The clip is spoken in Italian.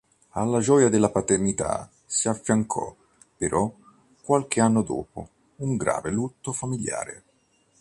Alla gioia della paternità si affiancò però, qualche anno dopo, un grave lutto familiare.